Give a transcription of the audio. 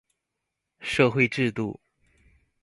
社會制度